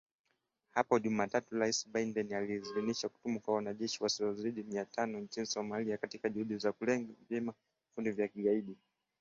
Hapo Jumatatu Rais Biden aliidhinisha kutumwa kwa wanajeshi wasiozidi mia tano nchini Somalia katika juhudi za kulenga vyema vikundi vya kigaidi.